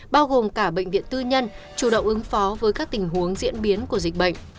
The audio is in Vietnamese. bao gồm cả bệnh viện tư nhân chủ động ứng phó với các tình huống diễn biến của dịch bệnh